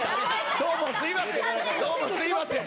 どうもすみません。